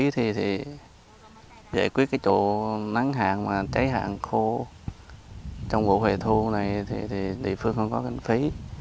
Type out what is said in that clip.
chất kinh phí thì giải quyết cái chỗ nắng hạn mà cháy hạn khô trong vụ hệ thu này thì địa phương không có kinh phí